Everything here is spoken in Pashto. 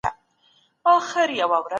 درناوی د سپکاوي څخه غوره دی.